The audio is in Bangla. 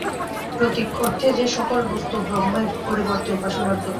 প্রতীক অর্থে যে- সকল বস্তু ব্রহ্মের পরিবর্তে উপাসনার যোগ্য।